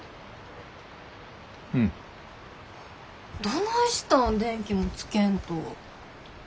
どないしたん電気もつけんと。